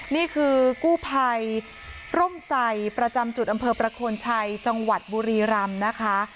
นี่คือกู้ภัยร่มใสประจำจุดอำเภอประโคนชัยจังหวัดบุรีรำนะคะ